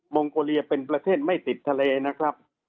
งโกเลียเป็นประเทศไม่ติดทะเลนะครับ